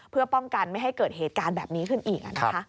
เพื่อป้องกันไม่ให้เกิดเหตุการณ์แบบนี้ขึ้นอีก